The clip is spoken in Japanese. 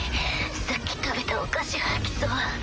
さっき食べたお菓子吐きそう。